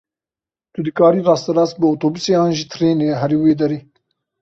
Tu dikarî rasterast bi otobûsê an jî trênê herî wê derê.